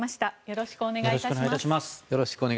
よろしくお願いします。